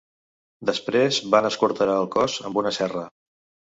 Després van esquarterà el cos amb una serra.